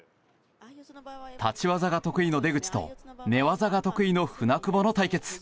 立ち技が得意の出口と寝技が得意の舟久保の対決。